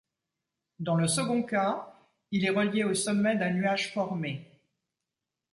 Dans le second cas, il est relié au sommet d'un nuage formé.